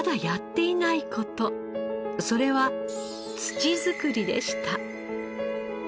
それは土づくりでした。